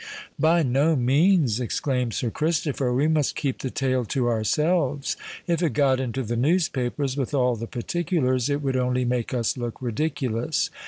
"By no means," exclaimed Sir Christopher. "We must keep the tale to ourselves. If it got into the newspapers, with all the particulars, it would only make us look ridiculous.